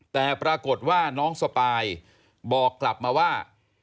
แต่ปรากฏว่าน้องสปายบอกกลับมาว่า